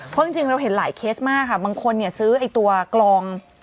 เพราะจริงเราเห็นหลายเคสมากค่ะบางคนเนี่ยซื้อไอ้ตัวกลอง